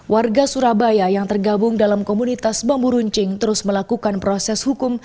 warga surabaya yang tergabung dalam komunitas bambu runcing terus melakukan proses hukum